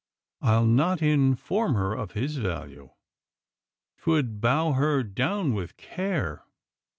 I'll not inform her of his value. 'Twould bow her down with care.